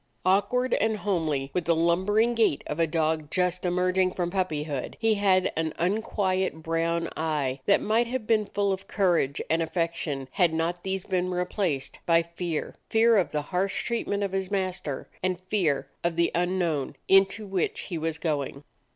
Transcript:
Awk ward and holmely, with the lumbering gait of a dog just emerging from puppyhood, he had an unquiet brown eye that might have been full of courage and affection had not these been replaced by fear; fear of the harsh treat ment of his master, and fear of the unknown into which he was going.